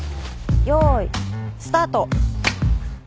よーいスタート。